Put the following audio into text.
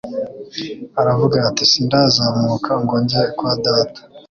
aravuga ati: «Sindazamuka ngo njye kwa Data.'»